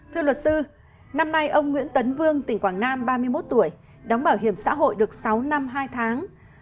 thưa luật sư năm nay ông nguyễn tấn vương tỉnh quảng nam ba mươi một tuổi đóng bảo hiểm xã hội được sáu năm hai tháng